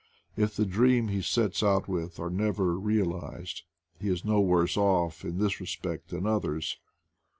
If the dreams he sets out with are never realized, he is no worse off in this respect than others.